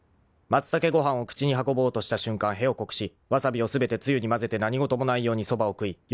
［まつたけご飯を口に運ぼうとした瞬間へをこくしワサビを全てつゆに混ぜて何事もないようにそばを食い夜道で必ず出会う］